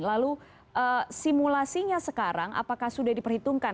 lalu simulasinya sekarang apakah sudah diperhitungkan